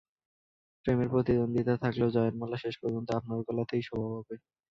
প্রেমের প্রতিদ্বন্দ্বিতা থাকলেও জয়ের মালা শেষ পর্যন্ত আপনার গলাতেই শোভা পাবে।